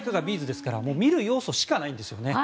’ｚですから見る要素しかないんです。